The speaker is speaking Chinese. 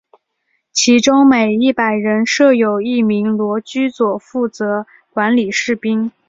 其中每一百人设有一名罗苴佐负责管理士兵。